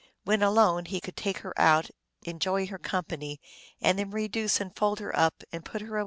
When alone, he could take her out, enjoy her company, and then reduce and fold her up and put her away again.